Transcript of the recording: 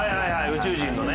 宇宙人のね。